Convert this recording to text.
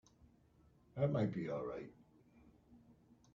That might be all right.